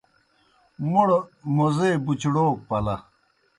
موڑ موزے بُچڑَوک پلہ۔